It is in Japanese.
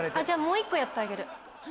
じゃあもう１個やってあげる。